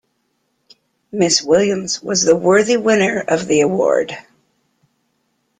Miss Williams was the worthy winner of the award.